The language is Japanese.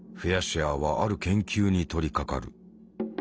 シュアーはある研究に取りかかる。